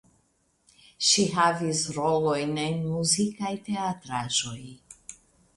Ŝi havis rolojn en muzikaj teatraĵoj.